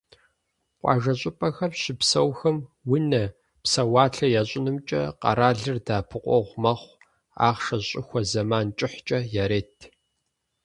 Къуажэ щӀыпӀэхэм щыпсэухэм унэ, псэуалъэ ящӀынымкӀэ къэралыр дэӀэпыкъуэгъу мэхъу: ахъшэ щӀыхуэ зэман кӀыхькӀэ ярет.